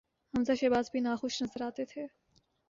حمزہ شہباز بھی ناخوش نظر آتے تھے۔